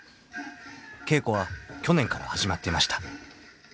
［稽古は去年から始まっていました］